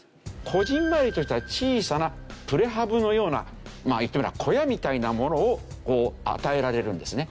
こぢんまりとした小さなプレハブのような言ってみれば小屋みたいなものをこう与えられるんですね。